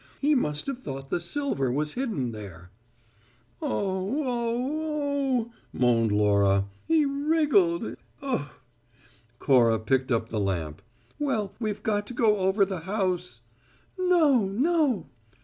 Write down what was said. He must have thought the silver was hidden there." "Oh, oh, oh!" moaned Laura. "He wriggled ugh!" Cora picked up the lamp. "Well, we've got to go over the house " "No, no!"